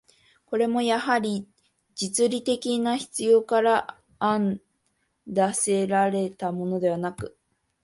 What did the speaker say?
これもやはり、実利的な必要から案出せられたものではなく、